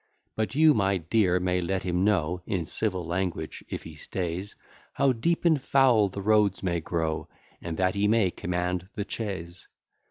But you, my dear, may let him know, In civil language, if he stays, How deep and foul the roads may grow, And that he may command the chaise.